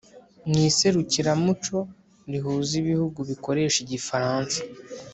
mu iserukiramuco rihuza ibihugu bikoresha igifaransa